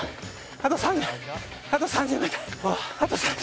あと３０。